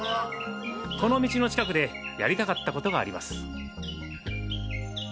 この道の近くでやりたかったことがあります。